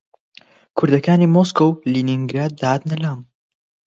کوردەکانی مۆسکۆ و لینینگراد دەهاتنە لام